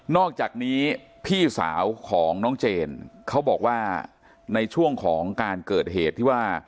อกจากนี้พี่สาวของน้องเจนเขาบอกว่าในช่วงของการเกิดเหตุที่ว่า